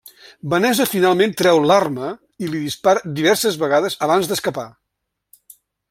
Vanessa finalment treu l'arma i li dispara diverses vegades abans d'escapar.